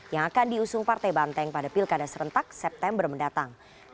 yang akan diusung partai banteng pada pilkada serentak september mendatang